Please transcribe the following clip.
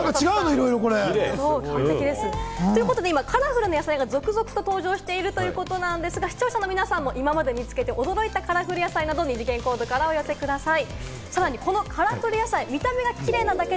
いろいろ。ということで今、カラフルな野菜が続々登場しているということなんですが視聴者の皆さんも見つけて驚いたカラフル野菜や、おすすめの調理方法など、二次元コードからお寄せください。